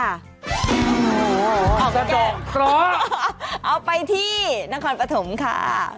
อ๋อสะดอกเคราะห์เอาไปที่นครปฐมค่ะ